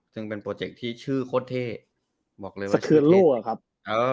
ซึ่งเป็นโปรเจคที่ชื่อโคตรเท่บอกเลยว่าชื่อเท่